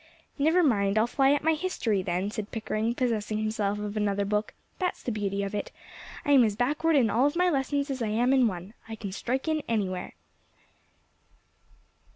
"Never mind, I'll fly at my history, then," said Pickering, possessing himself of another book; "that's the beauty of it. I'm as backward in all of my lessons as I am in one. I can strike in anywhere."